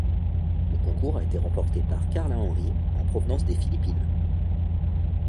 Le concours a été remporté par Karla Henry, en provenance des Philippines.